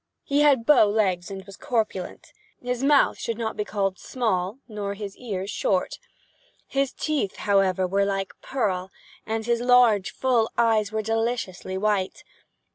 He had bow legs and was corpulent. His mouth should not be called small, nor his ears short. His teeth, however, were like pearl, and his large full eyes were deliciously white.